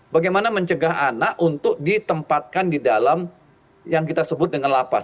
bagaimana mencegah anak untuk ditempatkan di dalam yang kita sebut dengan lapas